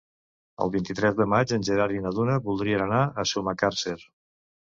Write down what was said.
El vint-i-tres de maig en Gerard i na Duna voldrien anar a Sumacàrcer.